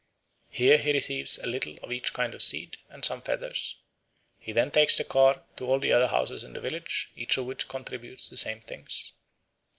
Here he receives a little of each kind of seed and some feathers. He then takes the car to all the other houses in the village, each of which contributes the same things.